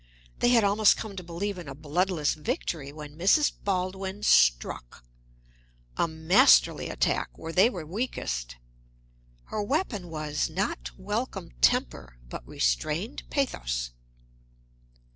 They had almost come to believe in a bloodless victory, when Mrs. Baldwin struck a masterly attack where they were weakest. Her weapon was not welcome temper, but restrained pathos.